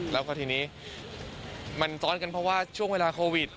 แล้วก็ทีนี้มันซ้อนกันเพราะว่าช่วงเวลาโควิด